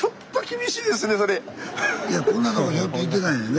いやこんなとこにひょっといてないんやね